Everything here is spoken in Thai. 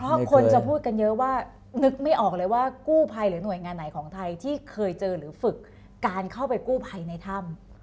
เพราะคนจะพูดกันเยอะว่านึกไม่ออกเลยว่ากู้ภัยหรือหน่วยงานไหนของไทยที่เคยเจอหรือฝึกการเข้าไปกู้ภัยในถ้ำ